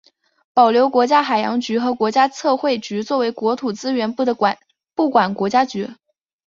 保留国家海洋局和国家测绘局作为国土资源部的部管国家局。